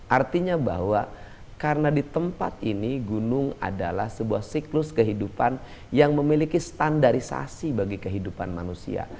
artinya bahwa karena di tempat ini gunung adalah sebuah siklus kehidupan yang memiliki standarisasi bagi kehidupan manusia